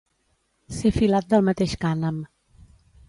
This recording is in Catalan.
Ser filat del mateix cànem.